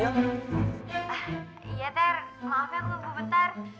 ya ter maaf ya aku nunggu bentar